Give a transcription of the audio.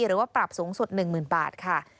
หรือว่าปรับสูงสุด๑๐๐๐บาทค่ะ